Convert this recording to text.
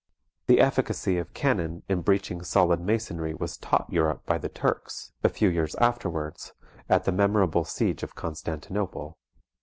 The efficacy of cannon in breaching solid masonry was taught Europe by the Turks, a few years after wards, at the memorable siege of Constantinople.